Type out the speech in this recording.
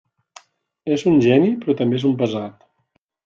És un geni, però també és un pesat.